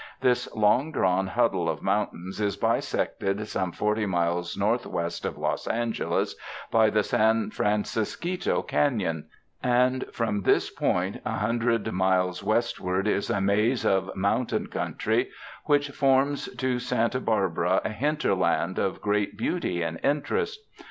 This long drawn huddle of mountains is bisected some forty miles northwest of Los Angeles by the San Franciscjuito Canon, and from this point a hundred miles westward is a maze of mountain countiy which forms to Santa Barbara a hinterland of great beauty and interest.